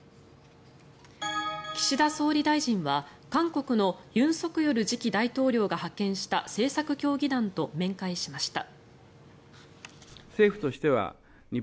岸田総理大臣は韓国の尹錫悦次期大統領が派遣した政策協議団と面会しました。